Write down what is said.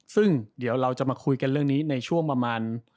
ซึ่งเดี๋ยวเราจะมาคุยกันเรื่องนี้ในช่วงประมาณ